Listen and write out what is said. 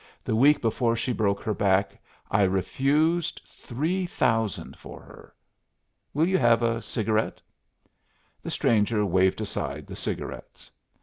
"The week before she broke her back, I refused three thousand for her. Will you have a cigarette?" The stranger waved aside the cigarettes.